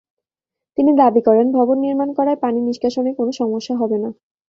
তিনি দাবি করেন, ভবন নির্মাণ করায় পানি নিষ্কাশনে কোনো সমস্যা হবে না।